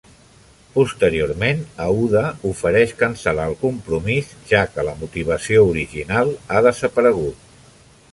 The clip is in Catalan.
Posteriorment, Aouda ofereix cancel·lar el compromís, ja que la motivació original ha desaparegut.